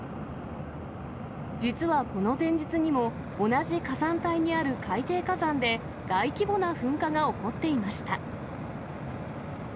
実はこの前日にも、同じ火山帯にある海底火山で大規模な噴火が起こっていました。